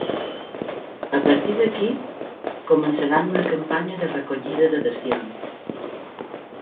A partir d’aquí, començaran una campanya de recollida d’adhesions.